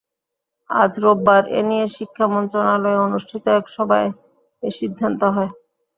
আজ রোববার এ নিয়ে শিক্ষা মন্ত্রণালয়ে অনুষ্ঠিত এক সভায় এই সিদ্ধান্ত হয়।